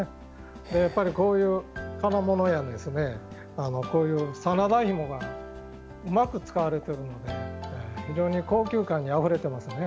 やっぱりこういう金物やこういう真田紐がうまく使われているので非常に高級感にあふれてますね。